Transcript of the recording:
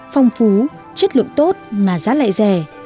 phong phú chất lượng tốt mà giá lại rẻ